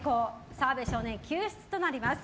澤部少年、救出となります。